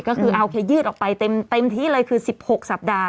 ก็คือโอเคยืดออกไปเต็มที่เลยคือ๑๖สัปดาห